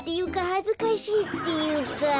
はずかしいっていうか。